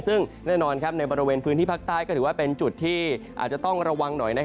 ซึ่งแน่นอนในบริเวณพื้นที่ภาคใต้ก็ถือว่าเป็นจุดที่อาจจะต้องระวังหน่อย